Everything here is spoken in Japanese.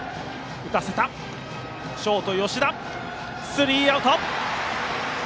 スリーアウト。